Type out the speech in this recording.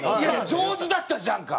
上手だったじゃんか！